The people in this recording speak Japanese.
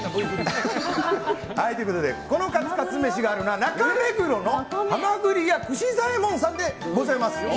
このカツカツ飯があるのは中目黒のはまぐり屋串左衛門さんでございます。